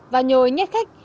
và nhồi nhét khách